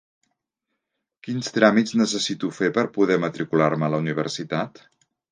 Quins tràmits necessito fer per poder matricular-me a la universitat?